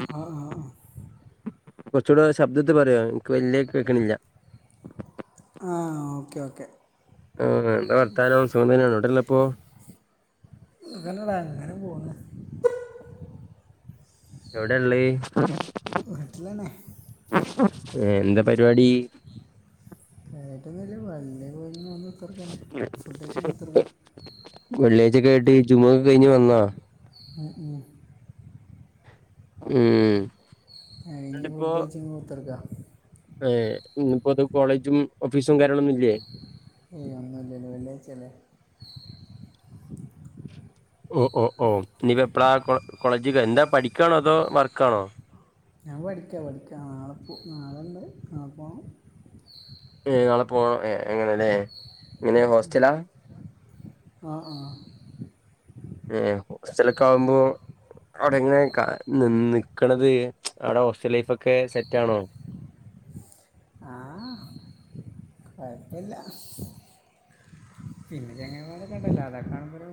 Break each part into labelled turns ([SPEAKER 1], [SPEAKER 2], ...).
[SPEAKER 1] [unintelligible]
[SPEAKER 2] കുറച്ചൂടെ ശബ്ദത്തി പറയോ എനിക്ക് വലിയ കേക്കണില്ല
[SPEAKER 1] ആ ഓക്കേ ഓക്കെ
[SPEAKER 2] ആ എന്താ വർത്താനം സുഖം തന്നെയണ എവിടുള്ളപ്പം
[SPEAKER 1] ങ്ങന പോന്ന്
[SPEAKER 2] എവിടെള്ള
[SPEAKER 1] നാട്ടിലെന്നെ
[SPEAKER 2] എന്താ പരിപാടി
[SPEAKER 1] [inaudible]
[SPEAKER 2] വെള്ളിയഴ്ച്ചക്കയിട്ട് ചുമ ക്കെ കഴിഞ്ഞ് വന്നാ
[SPEAKER 1] മം ഉം
[SPEAKER 2] ഉം
[SPEAKER 1] ഴഞ്ഞ ഫുഡ് കഴിച്ചു കഴിഞ്ഞ് ത്തിർക്കാം
[SPEAKER 2] ഏ് ഇന്ന ഇപ്പോ അത് കോളേജും ഓഫീസും കാര്യങ്ങളോന്നും ല്ലേ?
[SPEAKER 1] ഏയ് ഒന്നല്ലല്ല വെള്ളിയാഴ്ചല്ലേ
[SPEAKER 2] ഓ ഓ ഓ ഇീപ്പ എപ്പളാ കോളേജ എന്താ പഠിക്കാണോ? അതോ 'വർക്കാണോ?
[SPEAKER 1] ഞാൻ പടിക്ക പടിക്ക നാളെപ്പ നാളെണ്ട് നാളെ പോണം
[SPEAKER 2] ഞാളെ പോണം എങ്ങനെയല്ലേ എങ്ങനെ ഹോസ്റ്റലാ
[SPEAKER 1] ആ ആ
[SPEAKER 2] ഏ ഹോസ്റ്റലൊക്കെ ആകുമ്പോ. അവിടെ എങ്ങനെ ക നി നിക്കണത് അവിടെ ഹോസ്റ്റൽ ലൈഫോക്കെ സെറ്റാണോ
[SPEAKER 1] കൊയപ്പല്ല പിന്നെ ചങ്ങയ്മാരെക്കെണ്ടല്ലോ അതാക്കാണുമ്പോരു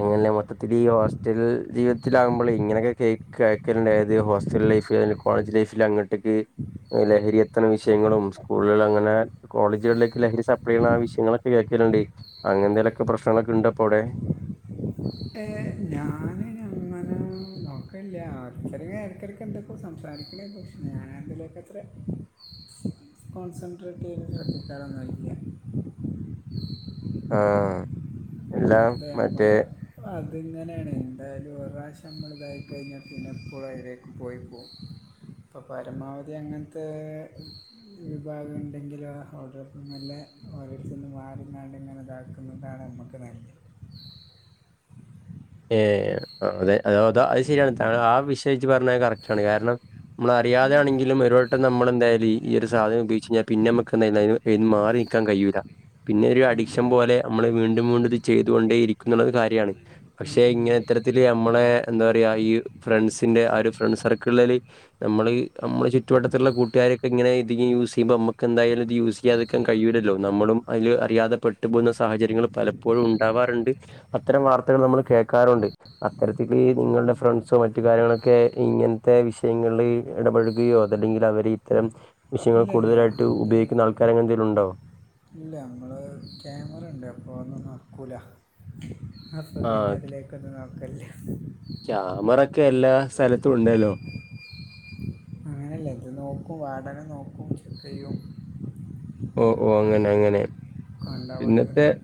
[SPEAKER 2] അങ്ങനെ മൊത്തത്തിൽ ഈ ഹോസ്റ്റൽ ജീവിതത്തിലകുമ്പോൾ ഇങ്ങനെയൊക്കെ കേ കയക്കലുണ്ടായത് ഹോസ്റ്റൽ ലൈഫിൽ കോളേജ് ലൈഫിൽ അങ്ങോട്ടേക്ക് ലഹരി എത്തണ വിഷയങ്ങളും സ്കൂളിൽ അങ്ങനെ കോളേജുകളിലേക്ക് ലഹരി സപ്ലൈയ്ണ വിശയങ്ങളൊക്കെ കേൾക്കലുണ്ട്. അങ്ങനെന്തെലൊക്കെ പ്രശ്നങ്ങളൊക്കെ ഉണ്ട് അപ്പോ അവിടെ
[SPEAKER 1] ഹേ ഞാന് അയ്ന് അങ്ങനെ നോക്കലില്ല ചെറിയ എടുക്കാടുക്കന്തൊക്കൊ സംസാരിക്കണ പക്ഷേ ഞാനതിലെക്കൊക്കെ
[SPEAKER 2] [inaudible]
[SPEAKER 1] കോൺസെൻട്രേറ്റ് ചെയ്തിട്ട്കളിക്കാറുന്നുമില്ല.
[SPEAKER 2] ആഹ എല്ലാം മറ്റേ
[SPEAKER 1] അപ്പോ അതിങ്ങനെയാണ് എന്തായാലും ഒരുപ്രവശ്യംനമ്മൾ ഇതായി കഴിഞ്ഞാൽ പിന്നെപ്പോളും അതിലേക്ക് പോയി പോകവും. ഇപ്പൊ പരമാവധി അങ്ങനത്തെ വിഭാഗം ഉണ്ടെങ്കിലും [unintelligible] ഓരോരുത്തും മാറി മാറി ഇങ്ങനെ ഇതാക്കും. അതാണ് നമുക്ക് നല്ലത്
[SPEAKER 2] ഏ അതെ അ അത അത് ശരിയാണ്. ത ആ വിഷയം ജ് പറഞ്ഞത് കറക്റ്റ് ആണ് കാരണം. നമ്മള അറിയാതാണെങ്കിലും ഒരുവട്ടം നമ്മൾന്തായാല ഈ ഒരു സാധനം ഉപോഗിച്ച്ച് കഴിഞ്ഞാൽ പിന്നെ നമുക്ക് എായാല പിന് മാറി നിൽക്കാൻ കഴിയൂല. പിന്നെ ഒരു
[SPEAKER 1] ഉം
[SPEAKER 2] അഡിക്ഷൻ
[SPEAKER 1] ഉം.
[SPEAKER 2] പോലെ നമ്മള് വീണ്ടും വീണ്ടും ഇത് ചെയ്ത കൊണ്ടേ ഇരിക്കുന്ന ഒരു കാര്യമാണ്.
[SPEAKER 1] ഉം
[SPEAKER 2] പക്ഷെ
[SPEAKER 1] ഉം.
[SPEAKER 2] ഇങ്ങനെ ഇത്തരത്തില്ൽ നമ്മളെ എന്താ പറയാ ഈ ഫ്രണ്ട്സിന്റെ ആ ഒരു ഫ്രണ്ട് സർക്കിളില് ഒരു നമ്മള് നമ്മള് ചുറ്റുവട്ടത്തിലുള്ള കൂട്ടുകാരൊക്കെങ്ങനെ ഇത് യൂസ് ചെയ്യുമ്പോ നമ്മക്ക് എന്താലും ഇത് യൂസ് ചെയ്യാതി ക്കാൻ കഴിയല്ലല്ലോ. നമ്മളും അതില് അറിയാതെ പെട്ടു പോകുന്ന സാഹചര്യങ്ങൾ പലപ്പോഴും ഉണ്ടാവാറുണ്ട്. അത്തരം വാർത്തകൾ നമ്മൾ കേക്കാറുണ്ട്. അത്തരത്തിക്ക് നിങ്ങളുടെ ഫ്രണ്ട്സോ മറ്റു കാര്യങ്ങളൊക്കെ ഇങ്ങനത്തെ വിഷയങ്ങളില് ഇടപെഴുകയോ അതല്ലെങ്കിൽ അവര് ഇത്തരം വിഷയങ്ങൾ
[SPEAKER 1] ഇല്ല ഇല്ല
[SPEAKER 2] കൂടുതലായിട്ട് ഉപയോഗിക്കുന്ന
[SPEAKER 1] അത്
[SPEAKER 2] ആൾക്കാരെ ന്തെങ്കിലും ഉണ്ടോ?
[SPEAKER 1] ഇല്ല നമ്മൾ ക്യാമറ ഉണ്ട് അപ്പോ അതൊന്നും നടക്കൂല
[SPEAKER 2] ആഹാ ക്കെ,
[SPEAKER 1] ക്കതു നടക്കല്ലേ.
[SPEAKER 2] ക്യാമറൊക്കെ എല്ലാ സ്ഥലത്തും ഉണ്ടല്ലോ
[SPEAKER 1] അങ്ങനെയല്ലേ ഇത് നോക്കും വാടനെ നോക്കും ചെക്ക് ചെയ്യും.
[SPEAKER 2] ഓ ഓ അങ്ങനെ അങ്ങനെ
[SPEAKER 1] കണ്ട പണി
[SPEAKER 2] ഇന്നത്തെ
[SPEAKER 1] കിട്ടും.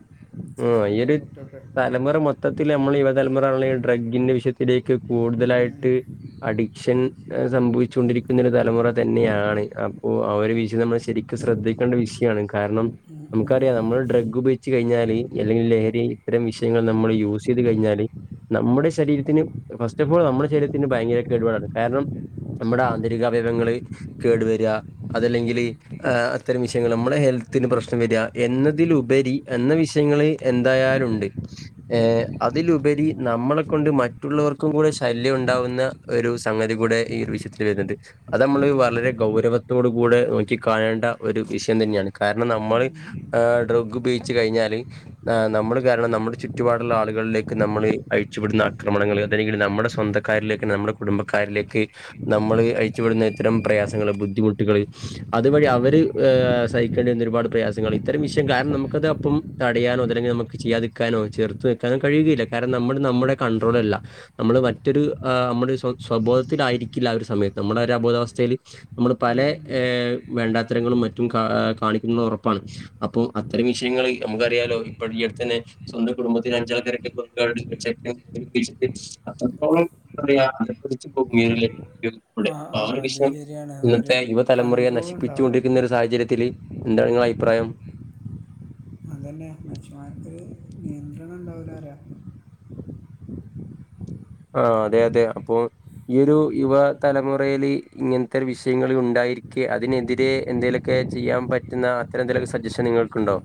[SPEAKER 2] ആ ഈ
[SPEAKER 1] സസ്പെൻഷൻ
[SPEAKER 2] ഒരു
[SPEAKER 1] കിട്ടുലേ
[SPEAKER 2] [unintelligible] മൊത്തത്തിൽ നമ്മൾ യുവതലമുറണങ്കില് ഡ്രഗിന്റെ വിഷയത്തിലേക്ക്
[SPEAKER 1] ഉം ഉം.
[SPEAKER 2] കൂടുതലായിട്ട് അഡിക്ഷൻ സംഭവിച്ചു കൊണ്ടിരിക്കുന്ന ഒരു തലമുറ തന്നെയാണ്. അപ്പോ ആ ഒരു വിശീ നമ്മള് ശെരി ശ്രദ്ധിക്കേണ്ട വിഷയാണ് കാരണം
[SPEAKER 1] ഉം ഉം.
[SPEAKER 2] നമുക്കറിയാം നമ്മള് ഡ്രഗ് ഉപയോഗിച്ച് കഴിഞ്ഞാല് അല്ലെങ്കിൽ ലഹരി ഇത്തരം വിഷയങ്ങൾ നമ്മള് യൂസ് ചെയ്ത് കഴിഞ്ഞാല് നമ്മുടെ ശരീരത്തിന് ഫസ്റ്റ് ഓഫ് ഓൾ നമ്മുടെ ശരീരത്തിന് ഭയങ്കരൊക്കെ കൊടുപാടാണ് കാരണം നമ്മുടെ ആന്തരിക അവയവങ്ങള് കേടുവരാ അതല്ലെങ്കിൽ ആ ഇത്തരം വിഷയങ്ങൾ നമ്മുടെ ഹെൽത്തിന് പ്രശ്നം വരാ എന്നതിലുപരി എന്ന വിഷയങ്ങള് എന്തായാലുണ്ട്. ഏ
[SPEAKER 1] ഉം
[SPEAKER 2] അതിലുപരി നമ്മളെ കൊണ്ട് മറ്റുള്ളവർക്കും കൂടെ ശല്യം ഉണ്ടാവുന്ന ഒരു സംഗതി കൂടെ ഈ ഒരു വിഷയത്തിൽ വരുന്നുണ്ട്. അത് നമ്മൾ വളരെ ഗൗരവത്തോട് കൂടെ നോക്കി കാണേണ്ട ഒരു വിഷയം തന്നെയാണ് കാരണം നമ്മള് ആ ഡ്രഗ് ഉപയോഗച്ച് കഴിഞ്ഞാല് ആ നമ്മള് കാരണം നമ്മുടെ ചുറ്റുപാടുള്ള ആളുകളിലേക്ക് നമ്മള് അഴിച്ചു വിടുന്ന ആക്രമണങ്ങൾ അതല്ലെങ്കിൽ നമ്മുടെ സ്വന്തം കാരിലേക്ക് നമ്മുടെ കുടുംബക്കാരിലേക്ക് നമ്മള് അയച്ചു വിടുന്ന ഇത്തരം പ്രയാസങ്ങള് ബുദ്ധിമുട്ടുകള് അതുവഴി അവര് ഏ സഹിക്കേണ്ടി വരുന്ന ഒരുപാട് പ്രയാസങ്ങൾ ഇത്തരം വിഷയം കാരണം നമുക്കത് അപ്പം തടയാനോ അതല്ലെങ്കിൽ നമുക്ക് ചെയ്യാതിക്കാനോ ചേർ നക്കാനും കഴിയുല്ല കാരണം നമ്മുടെ നമ്മുടെ കൺട്രോളല്ല നമ്മള് മറ്റൊരു നമ്മുടെ സ്വ സ്വബോധത്തിലായിരിക്കില്ല ആ ഒരു സമയത്ത് നമ്മുടെ ഒരു അബോധ അവസ്ഥയില്. നമ്മൾ പല
[SPEAKER 1] ഉം ഉം.
[SPEAKER 2] ഏ വേണ്ടാത്തരങ്ങളും മറ്റും കാ കാണിക്കുന്നത് ഉറപ്പാണ്. അപ്പൊ അത്തരം വിഷയങ്ങള് നമുക്കറിയാലോ ഇപ്പഴും ഈ അടു തന്നെ സ്വന്തം കുടുംബത്തിൽ അഞ്ചാൾ കാരെകെ [unintelligible] ചെക്കൻ [unintelligible] അത്രത്തോളം എന്താ [unintelligible] അതപതിച്ചു [unintelligible]
[SPEAKER 1] ആഹാ ആഹാ അത് ശരിയാണ് ഒരു കണ്ടട്രോൾ ഉണ്ടാവൂല
[SPEAKER 2] സാഹചര്യത്തിത്തില് എന്താണ് ഇങ്ങളുടെ അഭിപ്രായം
[SPEAKER 1] അതെന്നെ മനുഷ്യന്മാർക്ക് നിയന്ത്രണം ണ്ടാവൂലറയാ
[SPEAKER 2] ആഹാ അതെ അതെ അപ്പൊ ഈ ഒരു യുവ തലമുറേൽ ഇങ്ങനത്തെ ഒരു വിഷയങ്ങ ഉണ്ടായിരിക്കെ അതിനെതിരെ എന്തെല ഒക്കെ ചെയ്യാൻ പറ്റുന്ന അത്ര എന്തെലൊക്കെ സജഷൻ നിങ്ങൾക്കുണ്ടോ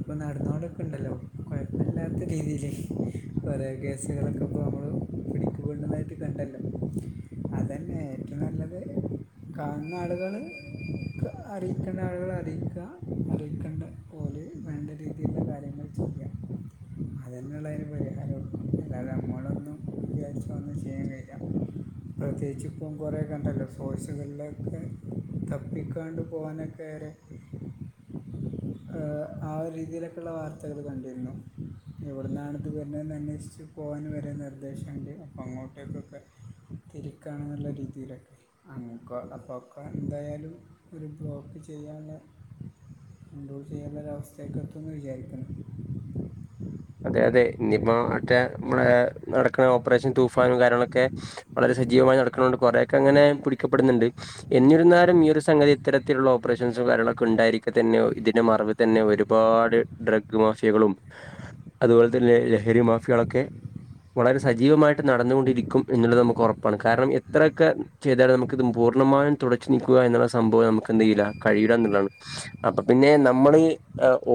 [SPEAKER 1] ഇപ്പൊ നടന്നോണ്ട്ക്ക്ണ്ടല്ലോ കുഴപ്പമില്ലാത്ത രീതിയിൽ കുറേ കേസുകളൊക്കെ പൊമ്മൾ പിടിക്കപ്പെടുന്നതായിട്ട് കണ്ടല്ലോ അതന്നെ ഏറ്റവും നല്ലത് കാണുന്ന ആളുകള്കാ അറിയിക്കേണ്ട ആളുകൾ അറിയിക്കുക അറിയിക്കേണ്ടഓ വേണ്ട രീതിയിലുള്ള കാര്യങ്ങൾ ചെയ്യാം അതന്നെയുള്ളൂ അയ്നു പരിഹാരള്ളൂ അല്ലാതെ നമ്മളൊന്നും വിചരിച്ചൊന്നും ചെയ്യാൻ കഴിയില്ല പ്രത്യേകിച്ച് ഇപ്പം കുറെക്കെ ഇണ്ടല്ലോ ഫോഴ്സുകളിലൊക്കെ തപ്പിക്കാണ്ട് പോകാനൊക്കെര് ഏ ആ രീതിയിലൊക്കെയുള്ള വാർത്തകള്കണ്ടിരുന്നു എവിടന്നാണത് വരുന്നതെന്ന് അന്വേഷിച്ചച്ച് പോകൻ വരെ നിർദ്ദേശമുണ്ട് അപ്പോ അങ്ങോട്ടേക്കൊക്കെ തിരിക്കാണെന്നുള്ള രീതിയിലൊക്കെ അങ്ങക്ക അപ്പൊ ഒക്കെ എന്തായാലും ഒരു ബ്ലോക്ക് ചെയ്യാള്ളെ കണ്ട്രോൾചെയ്യാല്ലേ അവസ്ഥയൊക്ക എത്തൂന്ന് വിചാരിക്കണ്.
[SPEAKER 2] അതെ അതെ ഇഞ്ഞിപ്പോ മറ്റേമ്മളെ നടക്കുന്ന ഓപ്പറേഷൻ തൂഫാനും കാര്യങ്ങളൊക്കെ വളരെ സജീവമായി നടക്കണോണ്ട് കൊറെയൊക്കെ അങ്ങനെ പിടിക്കപ്പെട്ന്ന്ണ്ട്. എന്നിരുന്നാലും ഈ ഒരു സംഗതി ഇത്തരത്തിലുള്ള ഓപ്പറേഷൻസും കാര്യങ്ങളൊക്കെ ഇണ്ടായിരിക്കത്തന്നെ ഇതിന്റെ മറവ് തന്നെ ഒരുപാട് ഡ്രഗ്ഗ് മാഫിയകളും അതുപോലെ തന്നെ ലഹരി മാഫിയേളൊക്കെ വളരെ സജീവമായിട്ട് നടന്നുകൊണ്ടിരിക്കും എന്നുള്ളത് നമ്ക്കൊറപ്പാണ്. കാരണം എത്രയൊക്കെ ചെയ്താലും നമുക്കിത് പൂർണമായും തുടച്ച് നീക്കുക എന്നുള്ള സംഭവം നമുക്കെന്തയ്യൂല കഴിയൂലാന്ന്ള്ളതാണ്. അപ്പൊ പിന്നെ നമ്മള്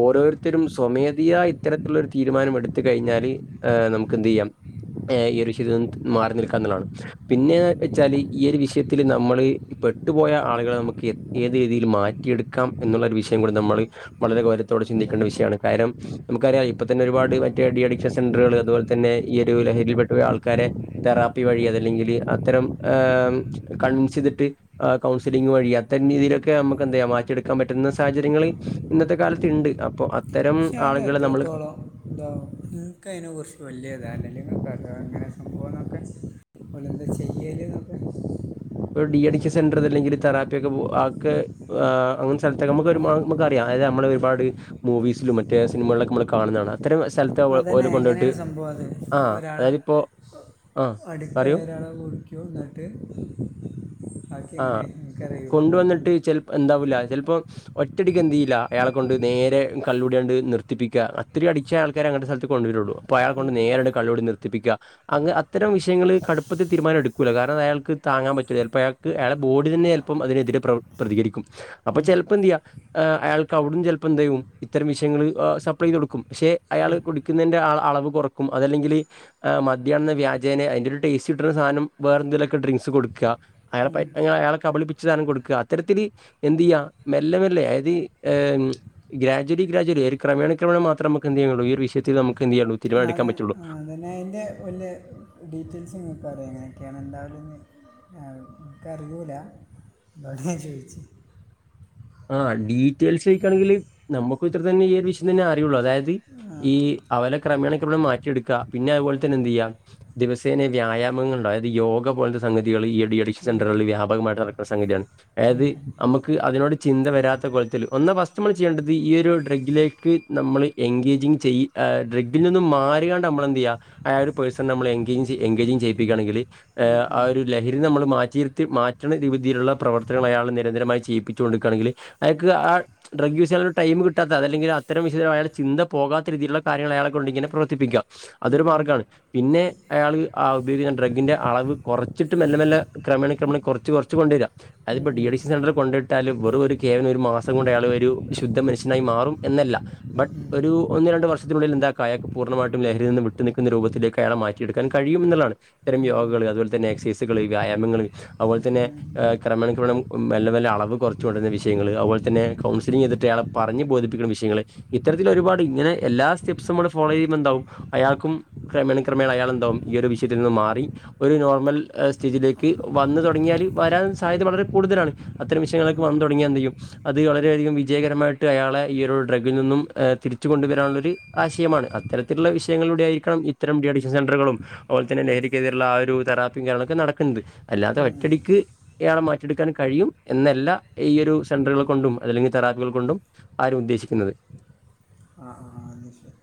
[SPEAKER 2] ഓരോരുത്തരും സ്വമേധയാ ഇത്തരത്തിലുള്ളൊരു തീരുമാനമെടുത്ത് കഴിഞ്ഞാല് ഏഹ് നമുക്കെന്തെയ്യാം, ഈഹ് ഒരു ഹിതന്ത്‌ മാറി നിൽക്കാന്ന്ള്ളതാണ്. പിന്നേ എച്ചാല് ഈയൊരു വിഷയത്തില് നമ്മള് പെട്ടുപോയ ആളുകളെ നമുക്ക് എ ഏത് രീതീല് മാറ്റിയെടുക്കാം എന്നുള്ള ഒരു വിഷയം കൂടി നമ്മള് വളരെ ഗൗരവത്തോടെ ചിന്തിക്കേണ്ട വിഷയാണ്. കാര്യം നമുക്കറിയാം ഇപ്പൊ തന്നെ ഒരുപാട് മറ്റേ ഡീ അഡിക്ഷൻ സെന്ററ്കള് അതുപോലെ തന്നെ ഈ ഒരു ലഹരിയിൽ പെട്ടുപോയ ആൾക്കാരെ തെറാപ്പി വഴി അതല്ലെങ്കില് അത്തരം, ഈഹ് കൺസിതിട്ട് ഏഹ് കൗൺസിലിംഗ് വഴി അത്തരം രീതിയിലൊക്കെ നമുക്കെന്തെയ്യാ മാറ്റിയെടുക്കാൻ പറ്റുന്ന സാഹചര്യങ്ങള് ഇന്നത്തെ കാലത്ത് ഇണ്ട്. അപ്പൊ അത്തരം ആള്കളെ നമ്മള്
[SPEAKER 1] ന്തോ ഇൻക്കയിനെ കുറിച്ച് വല്യ ധാരണല്ല. ഇങ്ങക്കറിയ്യോ അതെങ്ങനെ സംഭവന്നൊക്കെ? ഓലെന്താ ചെയ്യല്ന്നൊക്കെ?
[SPEAKER 2] ഒരു ഡീ അഡിക്ഷൻ സെന്ററ് അതല്ലെങ്കില് തെറാപ്പിയൊക്കെ ആക്ക് ഏഹ് അങ്ങനെ സ്ഥലത്തൊക്കെ നമുക്ക് നമുക്കറിയാം അതായത് നമ്മളൊരുപാട് മൂവീസിലും മറ്റെ സിനിമകൾലൊക്കെ നമ്മള് കാണുന്നതാണ്. അത്തരം സ്ഥല
[SPEAKER 1] അതന്നെ, എങ്ങനെയാണ് സംഭവത്? ഒരാളെ
[SPEAKER 2] അതായത് ഇപ്പോ ആ പറയൂ
[SPEAKER 1] അഡിക്റ്റായൊരാളെ ഒതുക്കി യു ഇന്നിട്ട്?
[SPEAKER 2] ആഹ്
[SPEAKER 1] അത്
[SPEAKER 2] കൊണ്ടുവന്നിട്ട് ചെല എന്താവില്ല ചിലപ്പോ ഒറ്റടിക്ക് എന്തെയ്യില്ല അയാളെ കൊണ്ട് നേരെ കള്ളൂടിയണ്ട് നിർത്തിപ്പിക്ക. അത്രയും അഡിറ്റായ ആൾക്കാരെ അങ്ങനത്തെ സ്ഥലത്ത് കൊണ്ടുവരുള്ളൂ. അപ്പോ അയാളെ കൊണ്ട്
[SPEAKER 1] ഉം,
[SPEAKER 2] നേരണ്ട് കള്ളൂടി നിർ ത്തിപ്പിക്ക. അത്തരം വിഷയങ്ങള് കടുപ്പത്തി തീരുമാനം എടുക്കൂല്ല. കാരണം അയാൾക്ക് താങ്ങാൻ പറ്റൂല. ചെലപ്പോ അയാൾ ക്ക് അയാളെ ബോഡി തന്നെ ചെലപ്പം അതിനെതിരെ പ്രവ പ്രതികരിക്കും. അപ്പൊ
[SPEAKER 1] ഉം,
[SPEAKER 2] ചെലപ്പെന്തെയ്യാം ഈഹ് അയാൾക്ക് അവിട്ന്നും ചിലപ്പൊ എന്തയ്യും ഇത്തരം വിഷയങ്ങള് സപ്ലൈ ചെയ്ത് കൊടുക്കും. പക്ഷെ അയാള്
[SPEAKER 1] ഉം,
[SPEAKER 2] കുടിക്കുന്നതിന്റെ അളവ് കൊറക് ക്കും അതല്ലെങ്കില് ഈഹ് മദ്യംന്ന വ്യാജേനെ അതിന്റൊരു ടേസ്റ്റ് കിട്ടണ സാനം വേറെന്തേലൊക്കെ ഡ്രിങ്ക്സ് കൊടുക്ക്കാ അയാള പ
[SPEAKER 1] ഉം.
[SPEAKER 2] അയാളെ കബളിപ്പി ച്ച് ദാനം കൊട്ക്കാ. അത്തരത്തില് എന്തിയ്യാ മെല്ലെ മെല്ലെ അതായത് ഏഹ് ഗ്രാജ്വലി ഗ്രാജ്വലി ഒരു ക്രമേണ ക്രമേണ മാത്രമ്മക്ക് എന്തെയ്യാൻ കയ്യുള്ളു ഈ ഒരു വിഷയത്തില് നമ്ക്
[SPEAKER 1] അതെ ആഹ്. പിന്നെ അയ്ന്റെ ഒര് ഡീറ്റെയിൽസ് ഇങ്ങൾ പറയോ എങ്ങനൊക്കെയാണ് എന്താണ്ന്ന്. ആ ഇക്കറിയൂല്ലാ. അതോണ്ടാ ഞാൻ ചോയിച്ചേ.
[SPEAKER 2] ആഹ് ഡീറ്റെയിൽസോയിക്കാണെങ്കില്, നമമ്മക്കു ഇത്ര തന്നെ ഈ ഒരു വിഷയം തന്നെ അറിയൊള്ളൂ. അതായത് ത്
[SPEAKER 1] ആ
[SPEAKER 2] ഈ
[SPEAKER 1] ആ
[SPEAKER 2] അവലെ ക്രമേണ ക്രമേണെ മാറ്റിയെട്ക്കാ. പിന്നെ അത്പോലെ തന്നെ എന്തെയ്യാ ദിവസേനെ വ്യായാമങ്ങള്ണ്ട്. അതായത് യോഗ പോലത്തെ സംഗതികള്. ഈയടിയടി ഡീ അഡിക്ഷൻ സെന്ററ്കള് വ്യാപകമായിട്ട് നടക്ക്ന്ന സംഗതിയാണ്. അതാത് അമ്മക്ക് അതിനോട് ചിന്ത വരാത്ത കോലത്തില്. ഒന്ന് ഫസ്റ്റമ്മള് ചെയ്യണ്ടത് ഈ ഒരു ഡ്രഗ്ഗിലേക്ക് നമ്മൾ എഗ്ഗേജിങ്ങ് ചെയ്യ് ആഹ് ഡ്രഗ്ഗിൽ നിന്നും മാറിയാണ്ട് അമ്മളെന്തിയ്യാ ആ ഒരു പേഴ്‌സൺ നമ്മളെ എഗ്ഗേജ് എഗ്ഗേജിങ്ങ് ചെയ്യിപ്പിക്കാണെങ്കില്
[SPEAKER 1] ഉം,
[SPEAKER 2] ഏഹ് ആ
[SPEAKER 1] ഉം.
[SPEAKER 2] ഒരു ലഹരി നമ്മള് മാറ്റിയിരുത്തി മാറ്റണ രീതീല്ള്ള പ്രവർത്തനങ്ങൾ അയാള് നിരന്തരമായി ചെയ്യിപ്പി ച്ചോണ്ട്ക്കാണെങ്കില് അയാക്ക്‌ ആ ഡ്രഗ് യൂസെയ്യാനൊരു ടൈമ് കിട്ടാത്ത അതല്ലങ്കില് അത്തരം ഹിതം അയാളെ ചിന്ത പോകാത്ത രീതിയിലുള്ളാരോ കാര്യങ്ങള് അയാളെ കൊണ്ട് ഇങ്ങനെ പ്രവർത്തിപ്പിക്കാ. അതൊരു മാർഗ്ഗാണ്. പിന്നെ അയാള് ആ ഉപയോഗിക്കുന്ന ഡ്രഗ്ഗിന്റെ അളവ് കൊറച്ചിട്ട് മെല്ലെ മെല്ലെ ക്രമേണ ക്രമേണ കൊറച്ച് കൊറച്ച് കൊണ്ടരാ. അതിപ്പോ ഡീ അഡിക്ഷൻ സെന്ററി കൊണ്ട് ഇ ട്ടാലും വെറു ഒരു കേവലം ഒരു മാസം കൊണ്ട് അയാളൊരു ശുദ്ധ മനുഷ്യനായി മാറും എന്നല്ല. ബട്ട്. ഒരു ഒന്ന് രണ്ട് വർഷത്തിനുള്ളിൽ എന്താക്കാ അയാക്ക് പൂർണ്ണമായിട്ടും ലഹരിയിൽ നിന്ന് വിട്ടു നിക്കുന്ന രൂപത്തിലേക്ക് അയാളെ മാറ്റിയെടുക്കാൻ കഴിയുംന്നുള്ളതാണ്. ഇത്തരം യോഗകള് അത്പോലത്തന്നെ എക്സൈസ്കള് വ്യായാമങ്ങള് അത്പോലത്തന്നെ ഈഹ് ക്രമേണ ക്രമേണ മെല്ലെ മെല്ലെ അളവ് കൊറച്ച് കൊണ്ടര്ന്ന വിഷയങ്ങള്, അഹ്പോല തന്നെ കൗൺസിലിങ്ങ് ചെയ്ത്ട്ട് അയാളെ പറഞ്ഞ് ബോധിപ്പിക്ക്ണ വിഷയങ്ങള്. ഇത്തരത്തില് ഒരുപാട് ഇങ്ങനെ എല്ലാ സ്റ്റെപ്സും മ്മള് ഫോളോ ചെയ്യുമ്പോ എന്താവും അയാക്കും. ക്രമേണെ, ക്രമേണ അയാളെന്താവും ഈ ഒരു വിഷയത്തിന്ന് മാറി. ഒരു നോർമൽ ഹ് സ്ഥിതിലേക്ക് വന്ന് തൊടങ്ങിയാല് വരാൻ സാധ്യത വളരെ കൂടുതലാണ് അത്തരം വിശ് ള്ക്ക്
[SPEAKER 1] ആ
[SPEAKER 2] വന്ന്
[SPEAKER 1] ആ
[SPEAKER 2] തൊടങ്ങിയാ എന്തിയ്യും. അത് വളരെ അധികം വിജയകരമായിട്ട് അയാളെ ഈ ഒരു ഡ്രഗിൽ നിന്നും ഏഹ് തിരിച്ചു കൊണ്ടുവരാനുള്ളൊര്. ആശയമാണ് അത്തരത്തിലുള്ള വിഷയങ്ങളിലൂടെ ആയിരിക്കണം ഇത്തരം ഡിഅഡിക്ഷൻ സെന്ററുകളും. അഹ്പോലെതന്നെ ലഹരിക്കെതിരുള്ള ആ ഒരു തെറാപ്പീ കാര്യങ്ങളൊക്കെ നടക്ണ്ത് അല്ലാതെ ഒറ്റടിക്ക് ഇയാളെ മാറ്റിയെടുക്കാൻ കഴിയും. എന്നല്ലാ ഈ ഒരു സെന്ററ്കളെ കൊണ്ടും അതല്ലെങ്കി തെറാപ്പികള് കൊണ്ടും ആരും ഉദ്ദേശിക്കുന്നത്.
[SPEAKER 1] ആഹ്, ആഹ്, ആഹ്. അഹ് ശരി.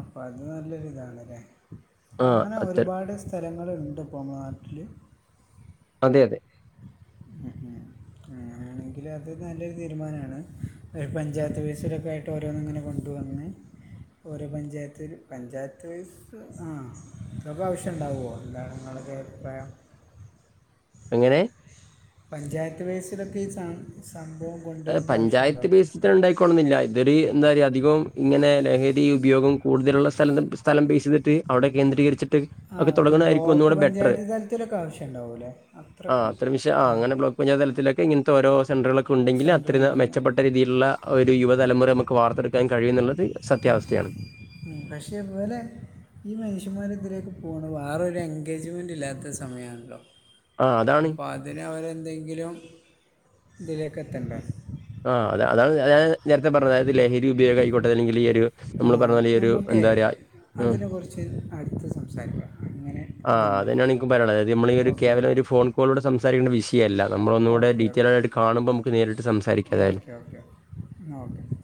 [SPEAKER 1] അപ്പ അത് നല്ലൊരു ഇതാണ്ലേ? അപ്പോ
[SPEAKER 2] ആഹ്
[SPEAKER 1] അങ്ങനെ
[SPEAKER 2] അത്ര
[SPEAKER 1] ഒരുപാട് സ്ഥലങ്ങള്ണ്ട് പ്പോ മ്മളെ നാട്ടില്.
[SPEAKER 2] അതെ അതെ.
[SPEAKER 1] എങ്കില് അത് നല്ലൊരു തീരുമാനമാണ് ഒരു പഞ്ചായത്ത് ബേസിലൊക്കെ ആയിട്ട് ഓരോന്ന്ങ്ങനെ കൊണ്ട് വന്ന്. ഓരോ പഞ്ചായത്തൊരു പഞ്ചായത്ത് ബേസ്. ത് ആഹ് തൊക്കാവശ്യം ണ്ടാവോ ന്താണ് ങ്ങളൊക്കെ അഭിപ്രായം.
[SPEAKER 2] എങ്ങനെ.
[SPEAKER 1] പഞ്ചായത്ത് ബേസിലൊക്കെ ഈ സ സംഭവം.
[SPEAKER 2] അഹ്
[SPEAKER 1] കൊണ്ടുവരേണ്ട ആവശ്യമുണ്ടോ
[SPEAKER 2] പഞ്ചായത്ത് ബേസ്. ഉണ്ടായിക്കോണന്നില്ല ഇതൊര് എന്താ റയാ അധികവും ഇങ്ങനെ ലഹരി ഉപയോഗം കൂടുതലുള്ള സ്ഥലം. സ്ഥലം ബേസേയ്തിട്ട് അവിടെ കേന്ദ്രീകരിച്ചിട്ട്.
[SPEAKER 1] ആ
[SPEAKER 2] ഒക്കെ
[SPEAKER 1] ഒരു
[SPEAKER 2] തുടങ്ങണായിരിക്കും
[SPEAKER 1] ബ്ലോക്ക്
[SPEAKER 2] ഒന്നൂടെ ബെറ്റർ.
[SPEAKER 1] പഞ്ചായത്ത് തലത്തിലൊക്കെ ആവശ്യം ഉണ്ടാവൂലേ
[SPEAKER 2] ആഹ്
[SPEAKER 1] അത്രക്ക്
[SPEAKER 2] അത്തരം വിഷയം ആഹ്
[SPEAKER 1] ആ
[SPEAKER 2] അങ്ങനെ ബ്ലോ ക്ക് പഞ്ചായതലത്തിലൊക്കെ ഇങ്ങനത്തെ ഓരോ സെൻറ്കളൊക്കെ ഉണ്ടെങ്കില് അത്രിത
[SPEAKER 1] സെൻറ്ററുകളും
[SPEAKER 2] മെച്ചപ്പെട്ട രീതിയില്ള്ള. ഒരു യുവതലമുറ മ്മക്ക് വാർത്തെടുക്കാൻ കഴിയുംന്നുള്ളത് സത്യാവസ്ഥയാണ്.
[SPEAKER 1] ഹും പക്ഷേ ഇവലെ ഈ മനുഷ്യന്മാർ ഇതിലേക്ക് പോണ വേറെ ഒരു എൻഗേജ്മെന്റ് ഇല്ലാത്ത സമയാണല്ലോ.
[SPEAKER 2] ആഹ് അതാണ്
[SPEAKER 1] അപ്പൊ അതിനവരെ എന്തെങ്കിലും ഇതിലേക്ക് എത്തണ്ടേ.
[SPEAKER 2] ആഹ് അത അതാണ് അത നേരത്തെ പറഞ്ഞായിരുന്നിലേ ലഹരി ഉപയോഗ ആയിക്കോട്ടെ അല്ലെങ്കിൽ ഈ ഒരു
[SPEAKER 1] ആ
[SPEAKER 2] നമ്മള് പറഞ്ഞാ പോലെ ഈ ഒരു
[SPEAKER 1] നമുക്കേ
[SPEAKER 2] എന്താ പറയാ ഉം
[SPEAKER 1] അതിനെക്കുറിച്ച് അടുത്ത് സംസാരിക്കാം അങ്ങനെ
[SPEAKER 2] ആഹ്
[SPEAKER 1] ഇതിൻ്റെ
[SPEAKER 2] അതന്നെയാണ് എനിക്ക് പറയാനുള്ളത്ത് നമ്മൾ ഒരു
[SPEAKER 1] ഓക്കെ ഓക്കെ
[SPEAKER 2] കേവലം ഫോൺ ഇപ്പോളിവിടെ സംസാരിക്കണ്ട വിഷയല്ല നമ്മളൊന്നൂടെ
[SPEAKER 1] ഓക്കെ
[SPEAKER 2] ഡീറ്റെയിൽ ആയിട്ട് കാണുമ്പോ നമുക്ക് നേരിട്ട് സംസാരിക്ക
[SPEAKER 1] എന്നാ ഓക്കേ